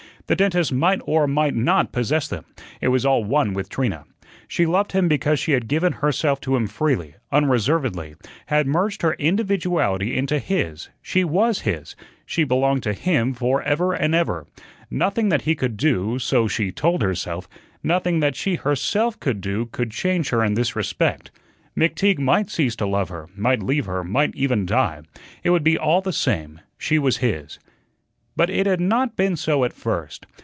The dentist might or might not possess them, it was all one with Trina. She loved him because she had given herself to him freely, unreservedly; had merged her individuality into his; she was his, she belonged to him forever and forever. Nothing that he could do (so she told herself), nothing that she herself could do, could change her in this respect. McTeague might cease to love her, might leave her, might even die; it would be all the same, SHE WAS HIS. But it had not been so at first.